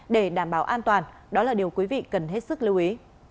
để đảm bảo an toàn đó là điều quý vị cần hết sức lưu ý